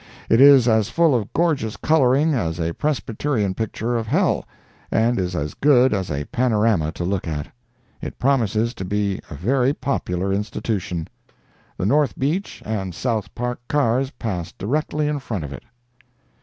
It is as full of gorgeous coloring as a Presbyterian picture of hell, and is as good as a panorama to look at. It promises to be a very popular institution. The North Beach and South Park cars pass directly in front of it.